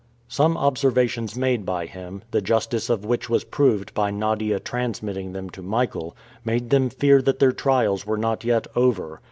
Some observations made by him, the justice of which was proved by Nadia transmitting them to Michael, made them fear that their trials were not yet over.